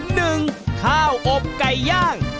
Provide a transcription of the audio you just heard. หนึ่งข้าวอบไก่ย่าง